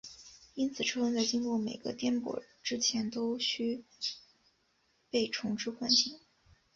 因此车轮在经过每个颠簸之前都须被重置惯性。